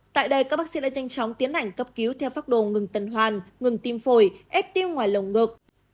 tại đây các bác sĩ đã nhanh chóng tiến hành cấp cứu theo pháp đồ ngừng tần hoàn ngừng tim phổi ép tiêu ngoài lồng ngực